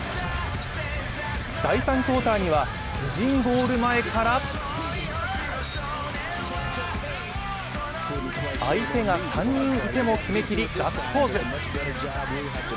第３クオーターには自陣ゴール前から相手が３人いても決め切り、ガッツポーズ！